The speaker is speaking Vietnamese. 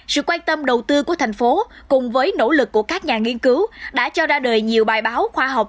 sự quan tâm đầu tư của thành phố cùng với nỗ lực của các nhà nghiên cứu đã cho ra đời nhiều bài báo khoa học